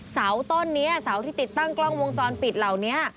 เสาต้นนี้เสาที่ติดตั้งกล้องวงจรปิดเหล่านี้